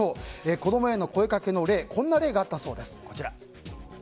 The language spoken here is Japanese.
子供への声掛けの例はこんなものがあったそうです。